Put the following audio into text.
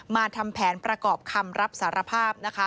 ทำแผนประกอบคำรับสารภาพ